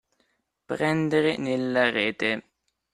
Prendere nella rete.